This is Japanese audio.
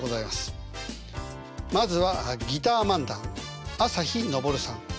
まずはギター漫談あさひのぼるさん。